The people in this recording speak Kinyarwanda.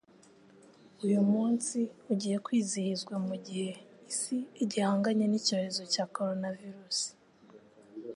Uyu munsi ugiye kwizihizwa mu gihe Isi igihanganye n'icyorezo cya Coronavirus